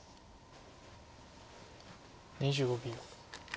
２５秒。